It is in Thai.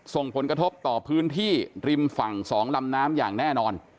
ส่งผลกระทบต่อพื้นที่ริมฝั่ง๒ลำน้ำอย่างแน่นอน